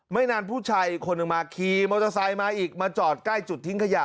ไม่นานผู้ชายอีกคนหนึ่งมาขี่มอเตอร์ไซค์มาอีกมาจอดใกล้จุดทิ้งขยะ